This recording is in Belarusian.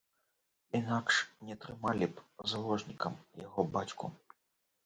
Інакш не трымалі б заложнікам яго бацьку.